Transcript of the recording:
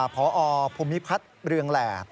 พอภูมิพัฒน์เรืองแหล่